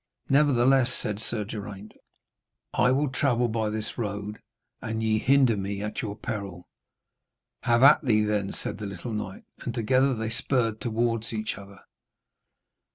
'Nevertheless,' said Sir Geraint, 'I will travel by this road, and ye hinder me at your peril.' 'Have at thee, then,' said the little knight, and together they spurred towards each other.